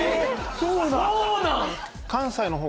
そうなん？